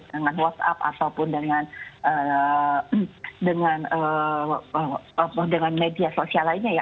dengan whatsapp ataupun dengan media sosial lainnya ya